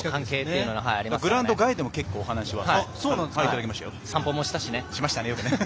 グラウンド外でも結構話しました。